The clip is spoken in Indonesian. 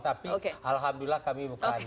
tapi alhamdulillah kami bukan dari warna itu